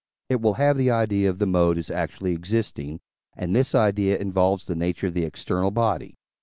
it will have the idea of the mode as actually existing, and this idea involves the nature of the external body.